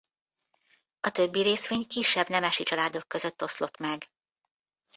A többi részvény kisebb nemesi családok között oszlott meg.